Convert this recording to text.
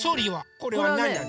これはなんなの？